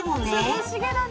涼しげだね。